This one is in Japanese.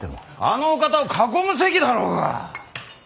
あのお方を囲む席だろうが。